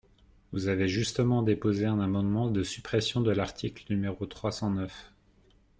Vous avez justement déposé un amendement de suppression de l’article, numéro trois cent neuf.